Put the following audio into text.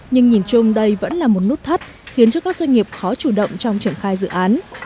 nhưng nhìn chung đây vẫn là một nút thắt khiến cho các doanh nghiệp khó chủ động trong triển khai dự án